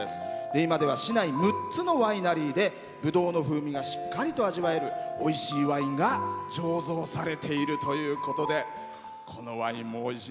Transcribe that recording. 今では市内６つのワイナリーでぶどうの風味がしっかりと味わえるおいしいワインが醸造されているということで。